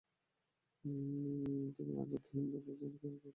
তিনি আজাদ হিন্দ ফৌজের ক্যাপ্টেন হিসেবে নেতৃত্ব দেন।